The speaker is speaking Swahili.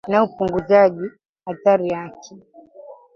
kuongeza vipindi baina ya urejeleaji na upunguzaji athari yake